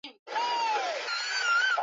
Suluhisho za asili kwa mabadiliko ya hali ya